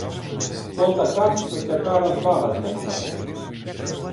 То така, то сяка розвага знайшлася.